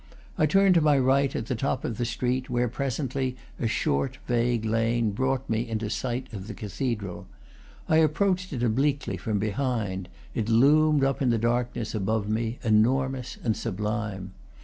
I turned to my right, at the top of the street, where presently a short, vague lane brought me into sight of the cathedral. I ap proached it obliquely, from behind; it loomed up in the darkness above me, enormous and sublime.